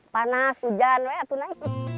panas hujan ya tunai